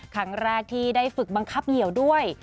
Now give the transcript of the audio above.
ครั้งแรกที่ได้ฝึกบังคับเหี่ยวด้วย